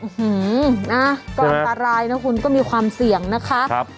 หือนะก็อันตรายนะคุณก็มีความเสี่ยงนะคะ